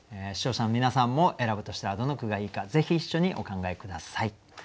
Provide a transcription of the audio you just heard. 視聴者の皆さんも選ぶとしたらどの句がいいかぜひ一緒にお考え下さい。